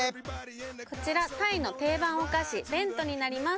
こちらタイの定番お菓子ベントになります